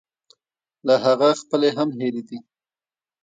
له هغه خپلې هم هېرې دي.